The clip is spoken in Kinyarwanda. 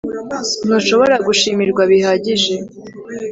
ntushobora gushimirwa bihagije